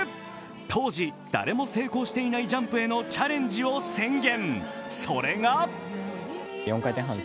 当時、誰も成功していないジャンプへのチャレンジを宣言。